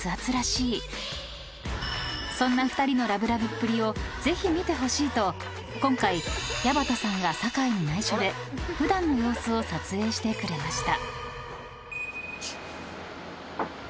［そんな２人のラブラブっぷりをぜひ見てほしいと今回矢端さんが酒井に内緒で普段の様子を撮影してくれました］